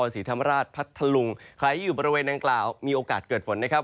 ศรีธรรมราชพัทธลุงใครอยู่บริเวณนางกล่าวมีโอกาสเกิดฝนนะครับ